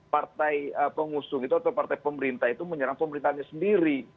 partai pengusung itu atau partai pemerintah itu menyerang pemerintahnya sendiri